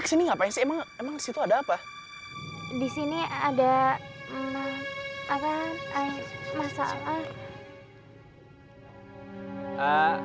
kesini ngapain sih emang emang situ ada apa di sini ada apa masalah